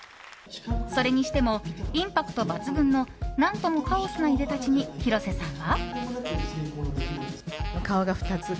それにしてもインパクト抜群の何ともカオスないでたちに広瀬さんは。